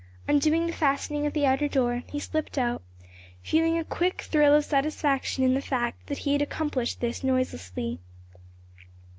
Undoing the fastening of the outer door, he slipped out, feeling a quick thrill of satisfaction in the fact that he had accomplished this noiselessly.